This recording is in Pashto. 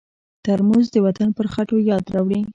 ترموز د وطن پر خټو یاد راوړي.